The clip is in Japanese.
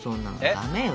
ダメよ